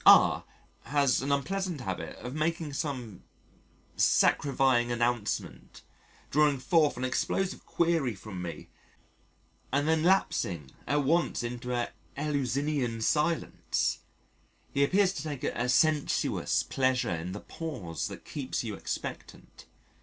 R has an unpleasant habit of making some scarifying announcement drawing forth an explosive query from me and then lapsing at once into an eleusinian silence: he appears to take a sensuous pleasure in the pause that keeps you expectant.